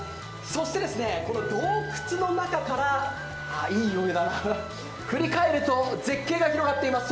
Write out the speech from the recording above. そしてこの洞窟の中から、振り返ると絶景が広がっています。